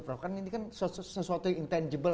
karena ini kan sesuatu yang intangible